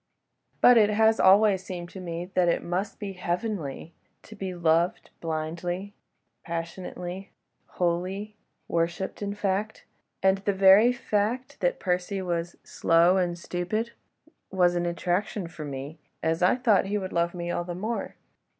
But it has always seemed to me that it must be heavenly to be loved blindly, passionately, wholly ... worshipped, in fact—and the very fact that Percy was slow and stupid was an attraction for me, as I thought he would love me all the more.